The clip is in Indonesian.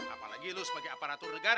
apalagi lo sebagai aparatur regan